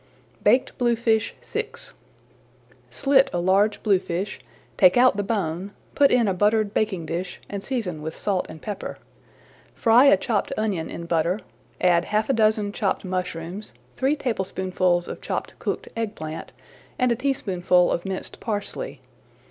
BAKED BLUEFISH VI Slit a large bluefish, take out the bone, put in a buttered baking dish and season with salt and pepper. Fry a chopped onion in butter, add half a dozen chopped mushrooms, three tablespoonfuls of chopped cooked egg plant, and a teaspoonful of minced parsley.